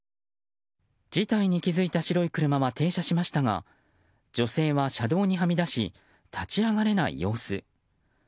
事態に気付いた白い車は停車しましたが女性は車道にはみ出し立ち上がれない様子。